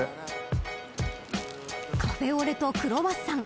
［カフェオレとクロワッサン。